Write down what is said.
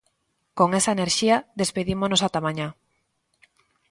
Con esa enerxía despedímonos ata mañá.